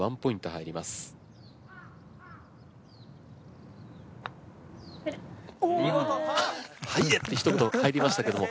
入りましたけども。